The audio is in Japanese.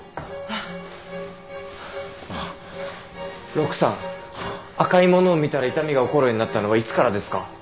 陸さん赤いものを見たら痛みが起こるようになったのはいつからですか？